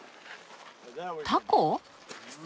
タコ？